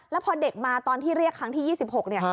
แล้วพอเด็กมาตอนที่เรียกครั้งที่๒๖เนี่ย